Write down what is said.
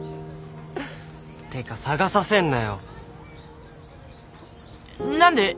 てか捜させんなよ。何で？